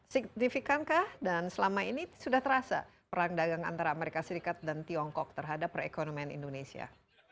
signifikankah dan selama ini sudah terasa perang dagang antara amerika serikat dan tiongkok terhadap perekonomian indonesia